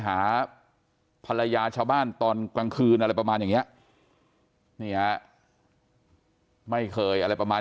หาภรรยาชาวบ้านตอนกลางคืนอะไรประมาณอย่างนี้นี่ฮะไม่เคยอะไรประมาณ